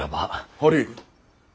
堀。